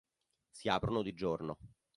Si aprono di giorno.